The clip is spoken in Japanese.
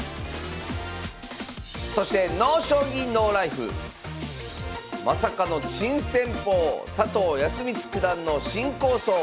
そして「ＮＯ将棋ＮＯＬＩＦＥ」まさかの珍戦法佐藤康光九段の新構想。